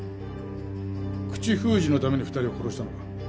口封じのために２人を殺したのか？